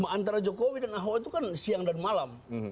antara jokowi dan ahok itu kan siang dan malam